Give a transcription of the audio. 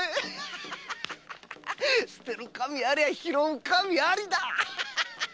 捨てる神あれば拾う神ありだ！